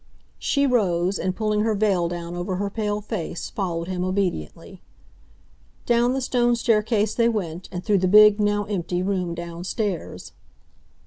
She rose, and, pulling her veil down over her pale face, followed him obediently. Down the stone staircase they went, and through the big, now empty, room downstairs.